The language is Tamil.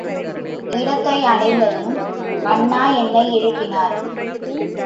இடத்தை அடைந்ததும் அண்ணா என்னை எழுப்பினார்.